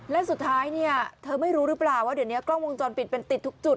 และสุดท้ายเนี่ยเธอไม่รู้หรือเปล่าว่าเดี๋ยวนี้กล้องวงจรปิดเป็นติดทุกจุด